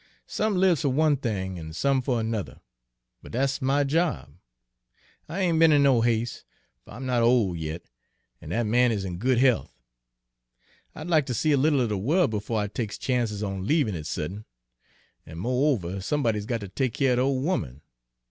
Some lives fer one thing an' some fer another, but dat's my job. I ain' be'n in no has'e, fer I'm not ole yit, an' dat man is in good health. I'd like ter see a little er de worl' befo' I takes chances on leavin' it sudden; an', mo'over, somebody's got ter take keer er de ole 'oman.